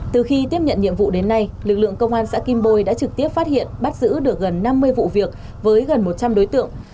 từ khi tiếp nhận nhiệm vụ đến nay lực lượng công an xã kim bôi đã trực tiếp phát hiện bắt giữ được gần năm mươi vụ việc với gần một trăm linh đối tượng